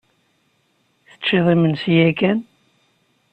Teččid imensi yakan?